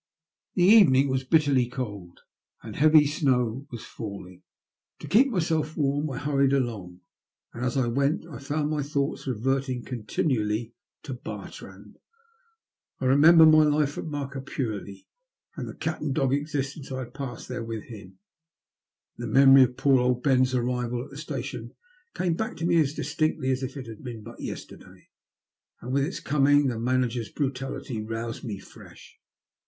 The evening waa bitterly cold, and heavy snow was A GRUESOME TALE. 75 falling. To keep myself warm I harried along, and as I went I found my thoughts reverting continually to Bartrand. I remembered my life at Markapurlie, and the cat and dog existence I had passed there with him. Then the memory of poor old Ben's arrival at the station came back to me as distinctly as if it had been but yesterday, and with its coming the mana ger's brutality roused me afresh.